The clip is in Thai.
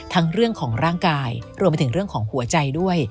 เรื่องของร่างกายรวมไปถึงเรื่องของหัวใจด้วย